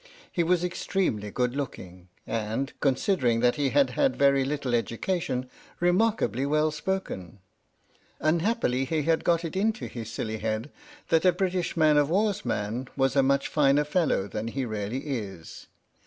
He was extremely good looking, and, considering that he had had very little education, remarkably well spoken. Unhappily he had got it into his silly head that a British man of war's man was a much finer fellow than he really is.